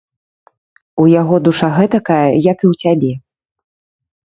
У яго душа гэтакая, як і ў цябе!